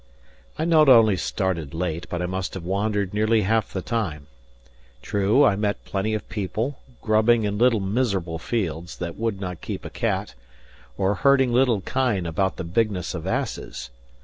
I not only started late, but I must have wandered nearly half the time. True, I met plenty of people, grubbing in little miserable fields that would not keep a cat, or herding little kine about the bigness of asses.